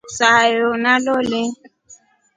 Sayo nalole.